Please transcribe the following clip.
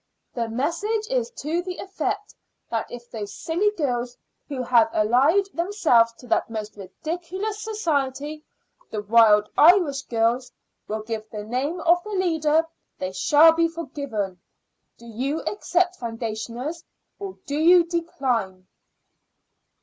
The message is to the effect that if those silly girls who have allied themselves to that most ridiculous society, the Wild Irish Girls, will give the name of their leader, they shall be forgiven. Do you accept, foundationers, or do you decline?"